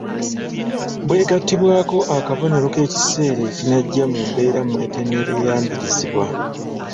Bw’egattibwako akabonero k’ekiseera ekinajja mu mbeera mw’etenneeyambirizibwa.